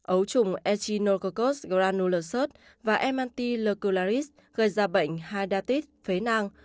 ấu trùng echinococcus granulosa và emantilocularis gây ra bệnh hydratis phế nang